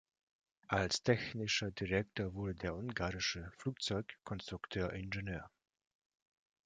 Als technischer Direktor wurde der ungarische Flugzeugkonstrukteur Ing.